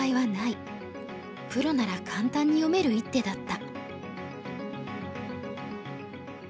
プロなら簡単に読める一手だった。